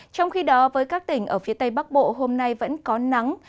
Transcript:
trong khi đó với các tỉnh ở phía tây bắc bộ hôm nay vẫn có nắng